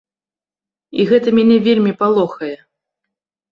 І гэта мяне вельмі палохае.